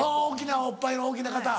大きなおっぱいの大きな方。